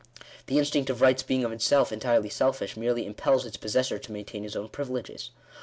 The instinct of rights being of itself entirely selfish, merely impels its possessor to maintain his own privileges.